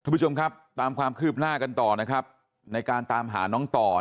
ผู้ชมครับตามความคืบหน้ากันต่อนะครับในการตามหาน้องต่อ